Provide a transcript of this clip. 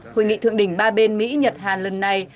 hội nghị thượng đỉnh ba bên mỹ nhật hàn lần này